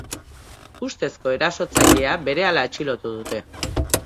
Ustezko erasotzailea berehala atxilotu dute.